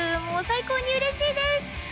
もう最高に嬉しいです！